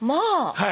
はい。